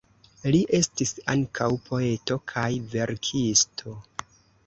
Li estis ankaŭ poeto kaj verkisto.